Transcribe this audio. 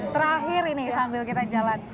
terakhir ini sambil kita jalan